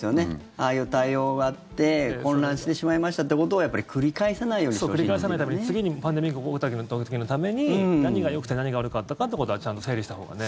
ああいう対応があって混乱してしまいましたってことをそう、繰り返さないために次にパンデミックが起きた時のために何がよくて何が悪かったかってことはちゃんと整理したほうがね。